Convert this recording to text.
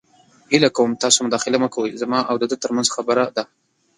هیله کوم تاسې مداخله مه کوئ. دا زما او ده تر منځ خبره ده.